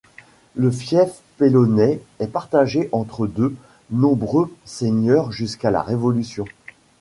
Le fief peillonais est partagé entre de nombreux seigneurs jusqu'à la Révolution.